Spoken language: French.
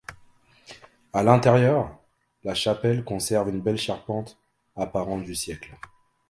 À l'intérieur, la chapelle conserve une belle charpente apparente du siècle.